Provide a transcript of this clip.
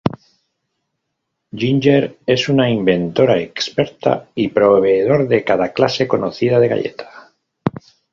Ginger es una inventora experta, y proveedor de cada clase conocida de galleta.